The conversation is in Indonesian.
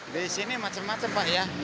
dari sini macam macam pak